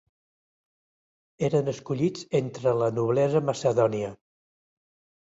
Eren escollits entre la noblesa macedònia.